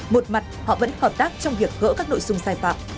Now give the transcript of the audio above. một mặt họ vẫn hợp tác trong việc gỡ các nội dung sai phạm